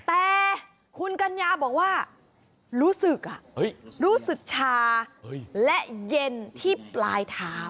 แต่คุณกัญญาบอกว่ารู้สึกรู้สึกชาและเย็นที่ปลายเท้า